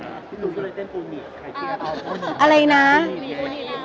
พี่ตูนก็เลยเต้นภูนิอะไรนะ